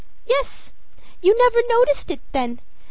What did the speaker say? â âYes. You never noticed it, then!